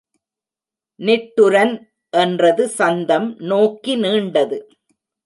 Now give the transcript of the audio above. நிட்டுரன் என்றது சந்தம் நோக்கி நீண்டது.